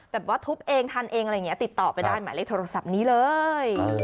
แบบว่าทุบเองทันเองอะไรอย่างนี้ติดต่อไปได้หมายเลขโทรศัพท์นี้เลย